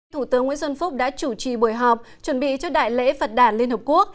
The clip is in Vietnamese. thủ tướng nguyễn xuân phúc đã chủ trì buổi họp chuẩn bị cho đại lễ phật đàn liên hợp quốc